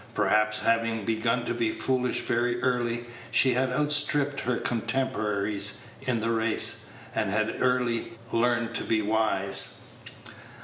Perhaps, having begun to be foolish very early, she had outstripped her contemporaries in the race, and had early learned to be wise.